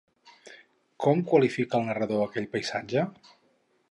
Com qualifica el narrador aquell paisatge?